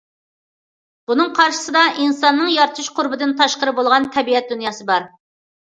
بۇنىڭ قارشىسىدا ئىنساننىڭ يارىتىش قۇربىتىدىن تاشقىرى بولغان تەبىئەت دۇنياسى بار.